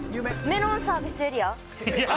メロンサービスエリア？